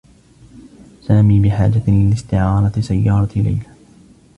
سامي بحاجة لاستعارة سيّارة ليلى.